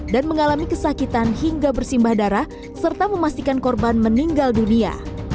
dan mengalami kesakitan hingga bersimbah darah serta memastikan korban meninggal dunia